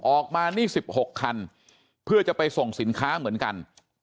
ออกมานี่๑๖คันเพื่อจะไปส่งสินค้าเหมือนกัน